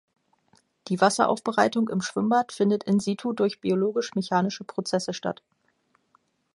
Die Wasseraufbereitung im Schwimmbad findet in situ durch biologisch-mechanische Prozesse statt.